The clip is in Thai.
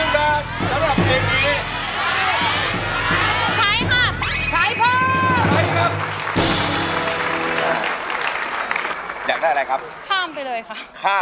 ได้จากเห็นให้พลักษณะ